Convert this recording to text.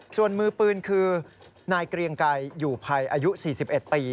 ส่วนมือปืนคือนายเกรียงไกรอยู่ภัยอายุ๔๑ปี